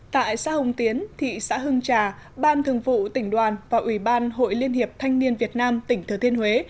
tại xã hồng tiến thị xã hưng trà ban thường vụ tỉnh đoàn và ủy ban hội liên hiệp thanh niên việt nam tỉnh thừa thiên huế